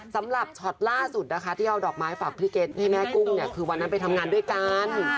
ช็อตล่าสุดนะคะที่เอาดอกไม้ฝากพี่เก็ตให้แม่กุ้งเนี่ยคือวันนั้นไปทำงานด้วยกัน